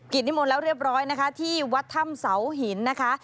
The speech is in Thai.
นิมนต์แล้วเรียบร้อยนะคะที่วัดถ้ำเสาหินนะคะ